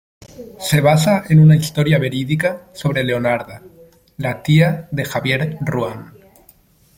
Se basa en una historia verídica sobre Leonarda, la tía de Javier Ruán.